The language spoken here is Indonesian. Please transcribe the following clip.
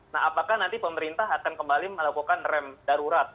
nah apakah nanti pemerintah akan kembali melakukan rem darurat